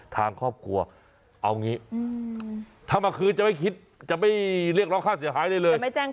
ทางครอบครัวเอางี้ถ้ามาคืนจะไม่คิดจะไม่เรียกร้องค่าเสียหายอะไรเลย